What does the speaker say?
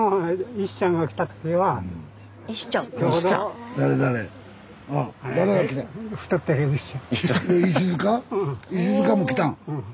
石塚も来たん？